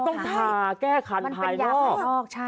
มันต้องทาแก้คันภายนอก